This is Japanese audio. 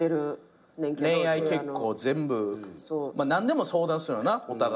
恋愛結構全部何でも相談するよなお互い。